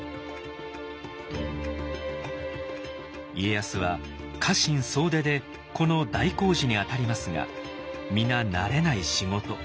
家康は家臣総出でこの大工事にあたりますが皆慣れない仕事。